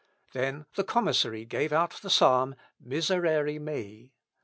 Then the commissary gave out the Psalm, Miserere mei.